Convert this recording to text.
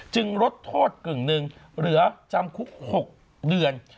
ลดโทษกึ่งหนึ่งเหลือจำคุก๖เดือน